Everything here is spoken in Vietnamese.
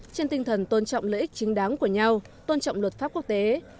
trên tinh thần tôn trọng lợi ích chính đáng của nhau tôn trọng luật pháp quốc tế